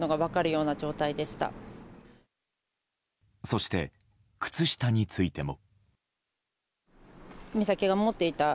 そして靴下についても。